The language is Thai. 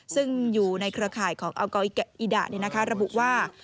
ซึ่งอยู่ในเครือข่ายของอัลอิดะระบุว่า